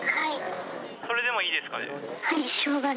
それでもいいですかね。